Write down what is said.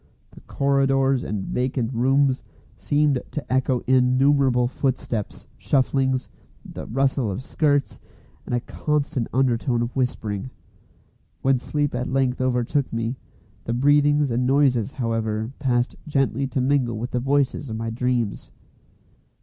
The corridors and vacant rooms seemed to echo innumerable footsteps, shufflings, the rustle of skirts, and a constant undertone of whispering. When sleep at length overtook me, the breathings and noises, however, passed gently to mingle with the voices of my dreams.